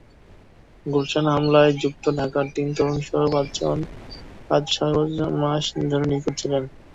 গুলশান হামলায় যুক্ত ঢাকার তিন তরুণসহ পাঁচজনই পাঁচ-ছয় মাস ধরে নিখোঁজ ছিলেন।